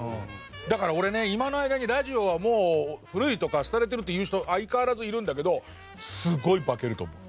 だから俺ね今の間に「ラジオはもう古い」とか「廃れてる」って言う人相変わらずいるんだけどすごい化けると思う。